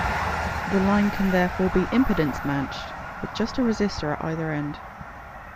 The line can therefore be impedance-matched with just a resistor at either end.